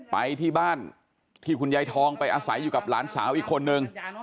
ไปที่บ้านที่คุณยายทองไปอาศัยอยู่กับหลานสาวอีกคนนึง